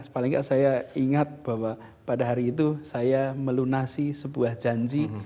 paling tidak saya ingat bahwa pada hari itu saya melunasi sebuah janji